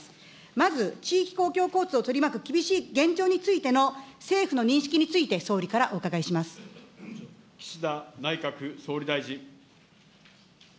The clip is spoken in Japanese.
まず地域公共交通を取り巻く厳しい現状についての政府の認識について、岸田内閣総理大臣。